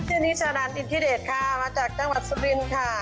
ชื่อนี้ชาแนนอินทิเดจคะมาจากเจ้าหวัดสุรินทร์ค่ะ